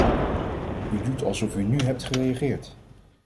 U doet alsof u nu hebt gereageerd.